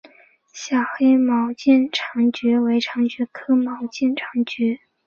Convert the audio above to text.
小黑毛肩长蝽为长蝽科毛肩长蝽属下的一个种。